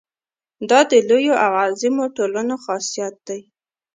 دا د لویو او عظیمو ټولنو خاصیت دی.